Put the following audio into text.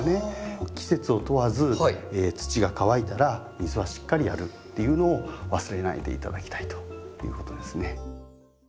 季節を問わず土が乾いたら水はしっかりやるっていうのを忘れないで頂きたいということですね。